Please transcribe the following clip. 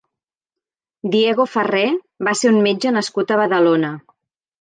Diego Ferrer va ser un metge nascut a Badalona.